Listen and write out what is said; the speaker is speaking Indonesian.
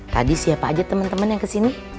tadi siapa aja temen temen yang kesini